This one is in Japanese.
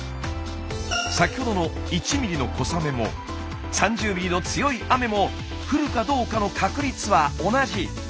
先ほどの１ミリの小雨も３０ミリの強い雨も降るかどうかの確率は同じ。